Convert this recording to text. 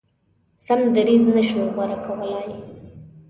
سم دریځ نه شو غوره کولای.